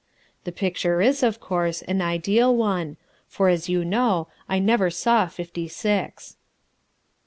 The picture is, of course, an ideal one, for, as you know, I never saw Fifty Six."